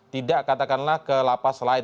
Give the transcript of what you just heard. tidak katakanlah ke lapas lain